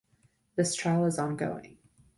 This trial is ongoing.